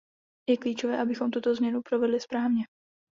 Je klíčové, abychom tuto změnu provedli správně.